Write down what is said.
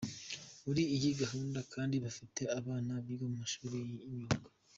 Muri iyi gahunda kandi bafite abana biga mu mashuli y’imyuga.